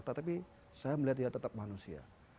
tetapi saya melihat dia tetap manusia